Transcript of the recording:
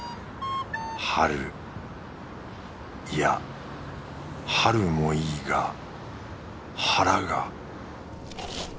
いや春もいいが腹が。